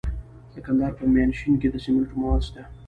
د کندهار په میانشین کې د سمنټو مواد شته.